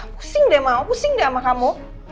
pusing deh mau pusing deh sama kamu